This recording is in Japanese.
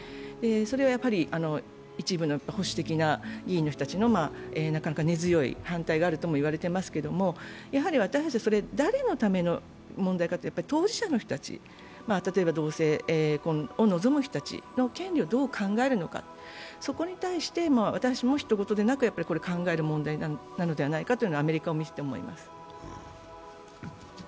それは一部の保守的な議員の人たちのなかなか根強い反対があると言われていますけれども、やはり私たちはそれは誰のための問題か、当事者の人たち例えば同性婚を望む人たちの権利をどう考えるのかそこに対して、私たちもひと事でなく考える問題なのではないかとアメリカを見ていて思います。